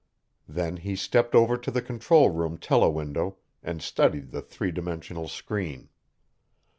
Then he stepped over to the control room telewindow and studied the three dimensional screen.